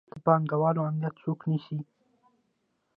د پانګوالو امنیت څوک نیسي؟